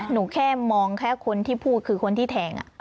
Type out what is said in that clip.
หนูแค่มองแค่คนที่พูดคือคนที่แทง